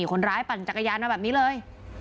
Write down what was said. คนร้ายปั่นจักรยานมาแบบนี้เลย